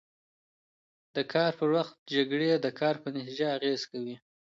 د کار پر وخت جکړې د کار په نتیجه اغېز کوي.